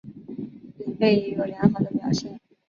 贝里也有良好的表现。